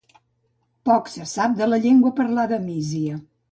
Poc se sap de la llengua parlada a Mísia.